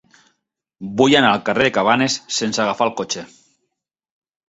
Vull anar al carrer de Cabanes sense agafar el cotxe.